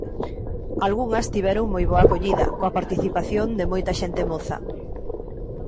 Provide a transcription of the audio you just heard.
Algunhas tiveron moi boa acollida, coa participación de moita xente moza.